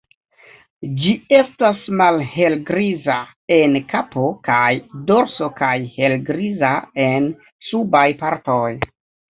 Ĝi estas malhelgriza en kapo kaj dorso kaj helgriza en subaj partoj.